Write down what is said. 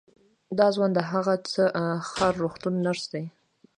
دا ځوان د هه چه ښار روغتون نرس دی.